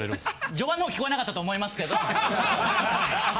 序盤の方聞こえなかったと思いますけど。